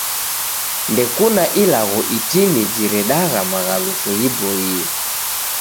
Ndekuna ilagho itini jiredagha maghaluso ghiboie.